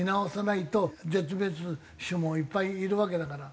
絶滅種もいっぱいいるわけだから。